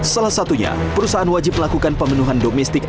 salah satunya perusahaan wajib melakukan pemenuhan domestik